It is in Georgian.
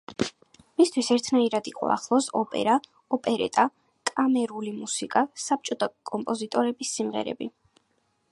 მისთვის ერთნაირად იყო ახლოს ოპერა, ოპერეტა, კამერული მუსიკა, საბჭოთა კომპოზიტორების სიმღერები.